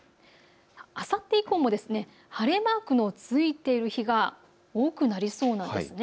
あさって以降も晴れマークの付いている日が多くなりそうです。